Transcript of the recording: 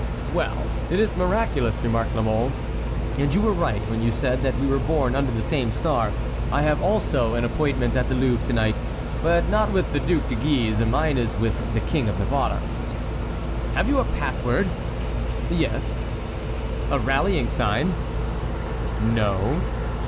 "Well, it is miraculous," remarked La Mole; "and you were right when you said that we were born under the same star. I have also an appointment at the Louvre to night, but not with the Duc de Guise; mine is with the King of Navarre." "Have you a pass word?" "Yes." "A rallying sign?" "No."